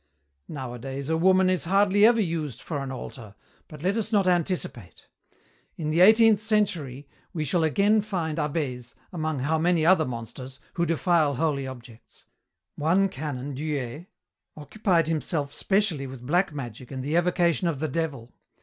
"Nowadays a woman is hardly ever used for an altar, but let us not anticipate. In the eighteenth century we shall again find abbés among how many other monsters who defile holy objects. One Canon Duer occupied himself specially with black magic and the evocation of the devil.